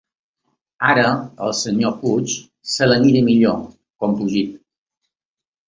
Ara el senyor Puig se la mira millor, compungit.